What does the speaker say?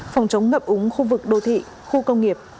phòng chống ngập úng khu vực đô thị khu công nghiệp